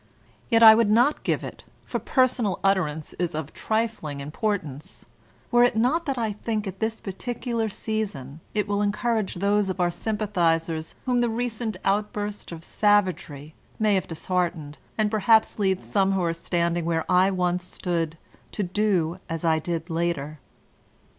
Yet I would not give it, for personal utterance is of trifling importance, were it not that I think at this particular season it will en courage those of our sympathizers whom the recent out burst of savagery may have disheartened, and perhaps lead some who are standing where I once stood to do as I did later.